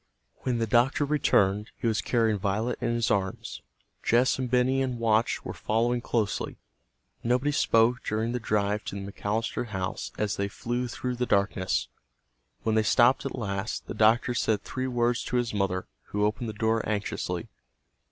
When the doctor returned he was carrying Violet in his arms. Jess and Benny and Watch were following closely. Nobody spoke during the drive to the McAllister house as they flew through the darkness. When they stopped at last, the doctor said three words to his mother, who opened the door anxiously.